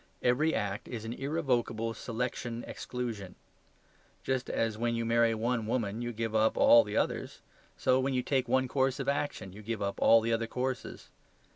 Every act is an irrevocable selection and exclusion. Just as when you marry one woman you give up all the others, so when you take one course of action you give up all the other courses.